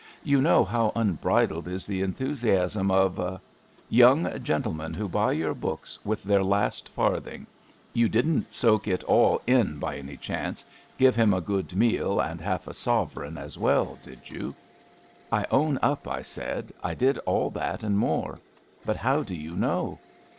You know how un bridled is the enthusiasm of ''Young gentlemen who buy your books with their last farthing. You didn't soak it all in by 280 ABAFT THE FUNNEL any chance^ give him a good meal and half a sovereign as well, did you? *'I own up,'* I said, I did all that and more. But how do yon know!